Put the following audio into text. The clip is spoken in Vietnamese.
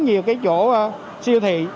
nhiều chỗ siêu thị